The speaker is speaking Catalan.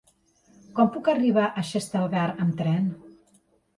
Com puc arribar a Xestalgar amb tren?